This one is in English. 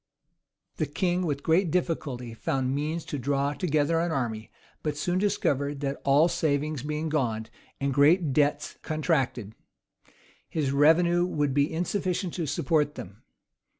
} The king, with great difficulty, found means to draw together an army; but soon discovered that all savings being gone, and great debts contracted, his revenue would be insufficient to support them.